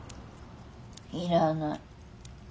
いらない。